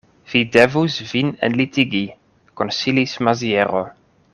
Vi devus vin enlitigi, konsilis Maziero.